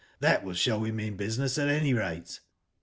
That will show we mean business, at any rate."